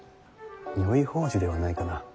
如意宝珠ではないかな。